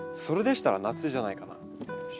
それでしたら夏じゃないかな。